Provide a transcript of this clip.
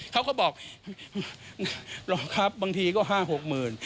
เขาก็บอกหรอกครับบางทีก็๕๖หมื่น